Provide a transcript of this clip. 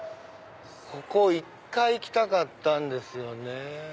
ここ１回来たかったんですよね。